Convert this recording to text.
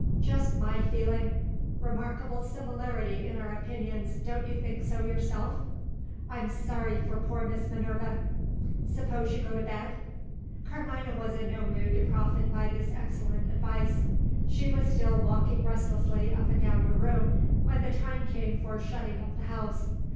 Just my feeling! Remarkable similarity in our opinions don't you think so yourself? I'm sorry for poor Miss Minerva. Suppose you go to bed?" Carmina was in no mood to profit by this excellent advice. She was still walking restlessly up and down her room, when the time came for shutting up the house.